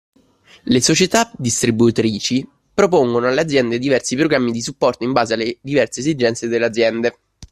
Le società distributrici propongono alle aziende diversi programmi di supporto in base alle diverse esigenze delle aziende.